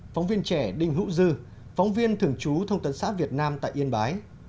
phóng viên trẻ đinh hữu dư phóng viên thường trú thông tấn xã việt nam tại yên bái